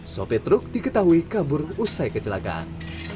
sopi truk diketahui kabur usai kecelakaan